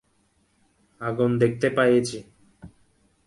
আগুন দেখতে পায়েছি!